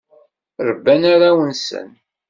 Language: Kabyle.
Rebban arraw-nsen.